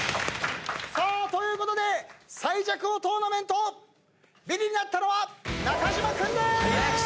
ということで最弱王トーナメントビリになったのは中島君でーす！